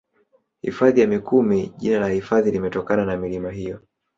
Hifadhi ya Mikumi jina la hifadhi limetokana na milima hiyo